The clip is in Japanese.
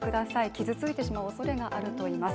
傷ついてしまうおそれがあるといいます。